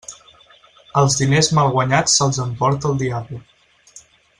Els diners mal guanyats se'ls emporta el diable.